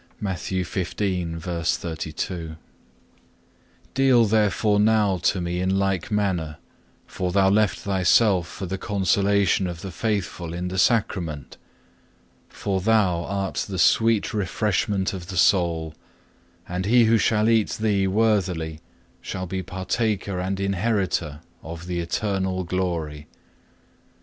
(3) Deal therefore now to me in like manner, for Thou left Thyself for the consolation of the faithful in the Sacrament. For Thou art the sweet refreshment of the soul, and he who shall eat Thee worthily shall be partaker and inheritor of the eternal glory.